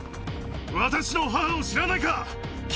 私の母を知らないか？